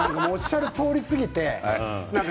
おっしゃるとおりすぎて。